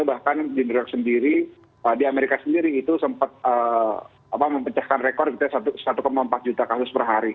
bahkan di new york sendiri di amerika sendiri itu sempat mempecahkan rekor satu empat juta kasus per hari